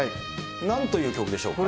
なんという曲でしょうか。